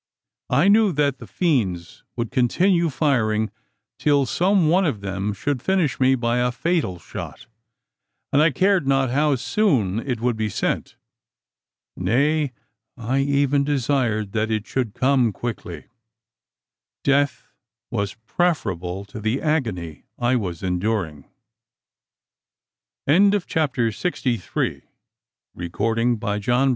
I knew that the fiends would continue firing, till some one of them should finish me by a fatal shot; and I cared not how soon it should be sent. Nay, I even desired that it should come quickly. Death was preferable to the agony I was enduring. CHAPTER SIXTY FOUR. A HUNDRED DEATHS.